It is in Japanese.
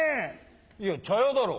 いや茶屋だろ。